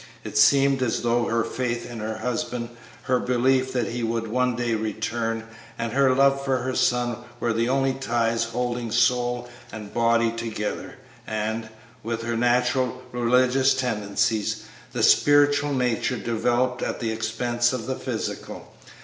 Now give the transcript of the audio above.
It seemed as though her faith in her husband, her belief that he would one day return, and her love for her son were the only ties holding soul and body together, and, with her natural religious tendencies, the spiritual nature developed at the expense of the physical.